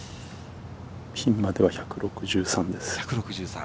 ピンまで１６３です。